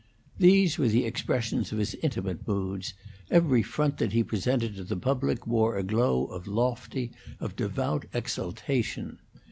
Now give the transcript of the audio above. These were the expressions of his intimate moods; every front that he presented to the public wore a glow of lofty, of devout exultation.